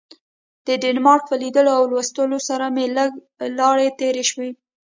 د ډنمارک په لیدلو او لوستلو سره مې لږې لاړې تیرې شوې.